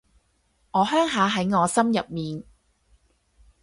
我鄉下喺我心入面